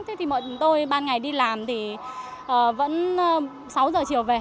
thế thì mọi người tôi ban ngày đi làm thì vẫn sáu giờ chiều về